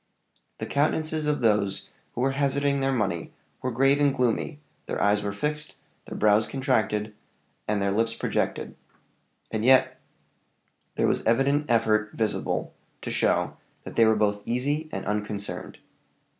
The countenances of those who were hazarding their money were grave and gloomy their eyes were fixed, their brows contracted, and their lips projected; and yet there was an evident effort visible to show that they were both easy and unconcerned.